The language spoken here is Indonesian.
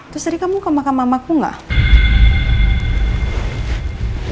terus tadi kamu ke makam mamaku gak